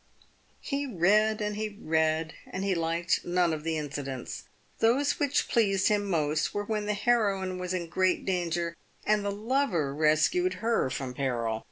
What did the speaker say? He read and he read, and he liked none of the incidents. Those which pleased him most were when the heroine was in great danger and the lover rescued her from peril.